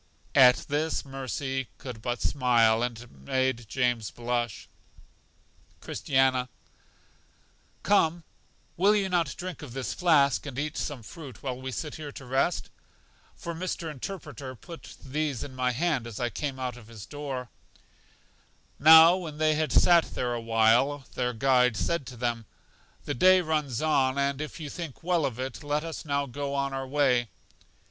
At this Mercy could but smile, and it made James blush. Christiana: Come, will you not drink of this flask, and eat some fruit, while we sit here to rest? For Mr. Interpreter put these in my hand as I came out of his door. Now when they had sat there a while, their guide said to them: The day runs on, and if you think well of it, let us now go on our way.